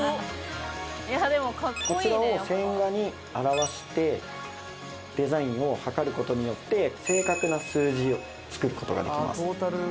こちらを線画に表してデザインをはかることによって正確な数字を作ることができます